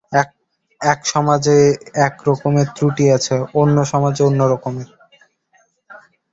এক সমাজে এক রকমের ত্রুটি আছে, অন্য সমাজে অন্য রকমের।